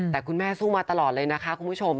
แต่คุณแม่สู้มาตลอดเลยนะคะคุณผู้ชม